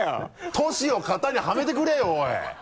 トシを型にはめてくれよおい。